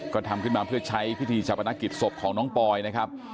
ก็ทำขึ้นมาเพื่อใช้พิธีชาปนกิจศพของน้องปอยนะครับ